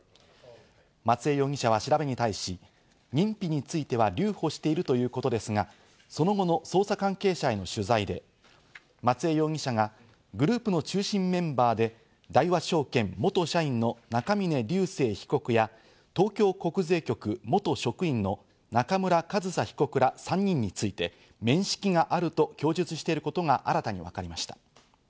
松江容疑者は調べに対し、認否については留保しているということですが、その後の捜査関係者への取材で松江容疑者がグループの中心メンバーで大和証券元社員の中峯竜晟被告や東京国税局元職員の中村上総被告ら３人について、面識があると供述していることが新たに分かりました。